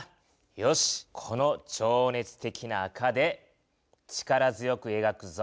よしこの情熱的な赤で力強くえがくぞ。